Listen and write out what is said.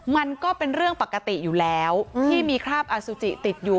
มันก็เป็นเรื่องปกติอยู่แล้วที่มีคราบอสุจิติดอยู่